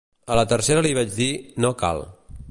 A la tercera li vaig dir "no cal".